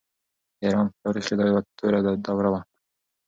د ایران په تاریخ کې دا یوه توره دوره وه.